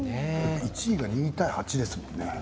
１位が２対８ですものね